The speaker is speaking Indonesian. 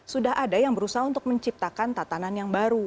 sudah ada yang berusaha untuk menciptakan tatanan yang baru